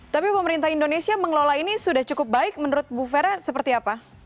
tapi pemerintah indonesia mengelola ini sudah cukup baik menurut bu vera seperti apa